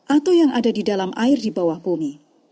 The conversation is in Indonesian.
atau yang ada di dalam air di bawah bumi